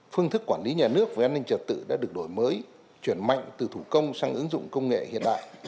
phương thức quản lý nhà nước về an ninh trật tự đã được đổi mới chuyển mạnh từ thủ công sang ứng dụng công nghệ hiện đại